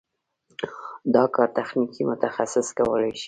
دا کار تخنیکي متخصصین کولی شي.